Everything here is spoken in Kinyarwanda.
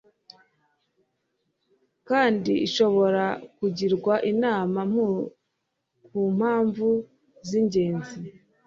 kandi ashobora kugirwa inama kumpamvu z'ingenzi